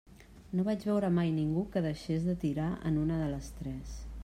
No vaig veure mai ningú que deixés de tirar en una de les tres.